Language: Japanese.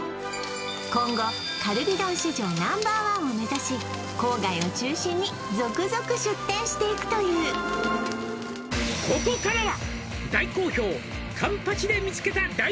今後カルビ丼市場Ｎｏ．１を目指し郊外を中心に続々出店していくという「ここからは」